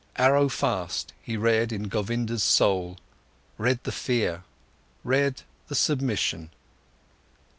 Arrow fast he read in Govinda's soul, read the fear, read the submission.